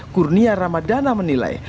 kurnia ramadana menilai